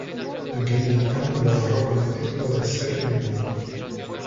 Genghis Khan lo honró con el título de Ser Iluminado.